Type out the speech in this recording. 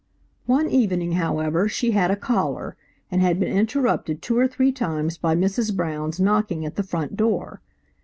One evening, however, she had a caller, and had been interrupted two or three times by Mrs. Brown's knocking at the front door.